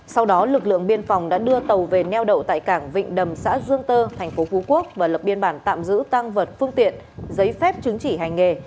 sau đó lực lượng biên phòng đã đưa tàu về neo đậu tại cảng vịnh đầm xã dương tơ tp phú quốc và lập biên bản tạm giữ tăng vật phương tiện giấy phép chứng chỉ hành nghề